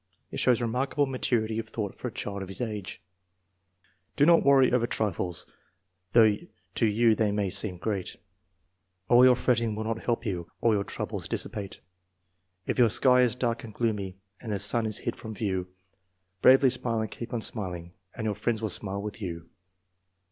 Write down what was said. It shows remark able maturity of thought for a child of his age: Do not worry over trifles, though to you they may seem great, All your fretting will not help you, or your troubles dissipate. If your sky is dark and gloomy, and the sun is hid from view, Bravely smile and keep on smiling, And your friends will smile with you.